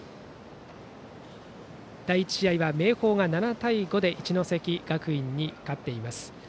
第１試合は明豊が７対５で一関学院に勝っています。